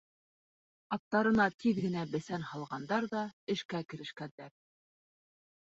Аттарына тиҙ генә бесән һалғандар ҙа эшкә керешкәндәр.